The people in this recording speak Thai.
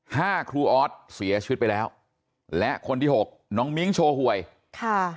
ห้าครูออทเสียให้ฉุดไปแล้วและคนที่หกน้องมิ้งโชว์ฮวยค่ะ